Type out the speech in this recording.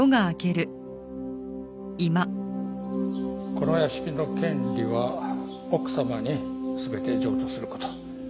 この屋敷の権利は奥様に全て譲渡すること。